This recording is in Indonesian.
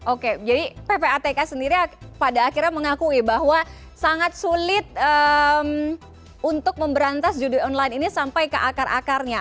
oke jadi ppatk sendiri pada akhirnya mengakui bahwa sangat sulit untuk memberantas judi online ini sampai ke akar akarnya